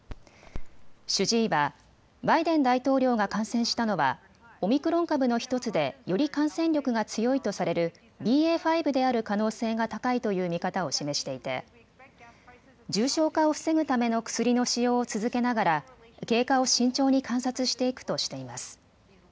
主治医はバイデン大統領が感染したのはオミクロン株の１つでより感染力が強いとされるＢＡ．５である可能性が高いという見方を示していて重症化を防ぐための薬の使用を続けながら経過を慎重に観察していくとしています。